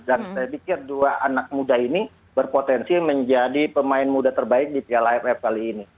dan saya pikir dua anak muda ini berpotensi menjadi pemain muda terbaik di tlaff kali ini